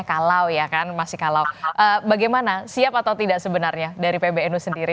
kalau ya kan masih kalau bagaimana siap atau tidak sebenarnya dari pbnu sendiri